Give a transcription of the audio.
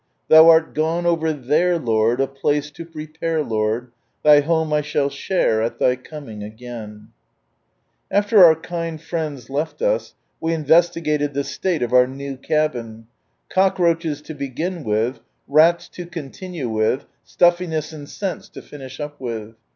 Thou art gone over iherc, Lord, a place to prepare, Lord ; Thy llomc I «ha]! share, al Thy coming agiin '," After our kind friends !eft us, we investigated the state of our new cabin : cockroaches to begin wiih, rats to continue with, stuffiness and scents to finish up with.